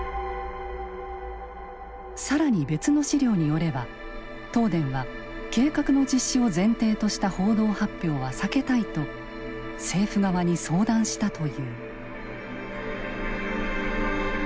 更に別の資料によれば東電は計画の実施を前提とした報道発表は避けたいと政府側に相談したという。